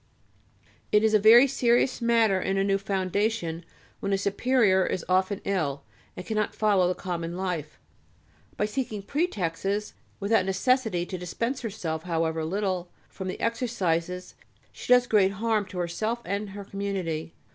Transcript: It is a very serious matter in a new foundation when a superior is often ill, and cannot follow the common life. By seeking pretexts, without necessity, to dispense herself, however little, from the exercises, she does great harm to herself and her community.